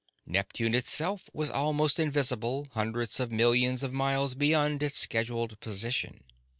Neptune itself was almost invisible, hundreds of millions of miles beyond its scheduled position.